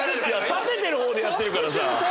建ててる方でやってるからさ。